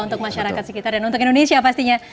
untuk masyarakat sekitar dan untuk indonesia pastinya